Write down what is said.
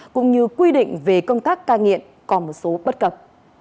cũng như quy định về công tác cai nghiện còn một số bất cập